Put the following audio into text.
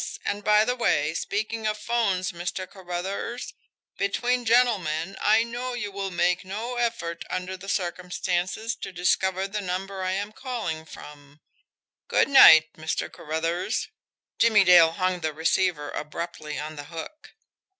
... And, by the way, speaking of 'phones, Mr. Carruthers, between gentlemen, I know you will make no effort under the circumstances to discover the number I am calling from. Good night, Mr. Carruthers." Jimmie Dale hung the receiver abruptly on the hook.